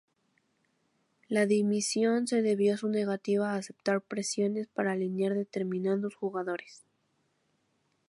La dimisión se debió a su negativa a aceptar presiones para alinear determinados jugadores.